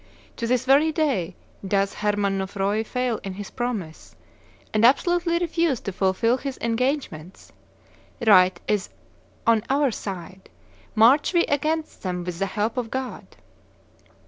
To this very day doth Hermannfroi fail in his promise, and absolutely refuse to fulfil his engagements: right is on our side; march we against them with the help of God.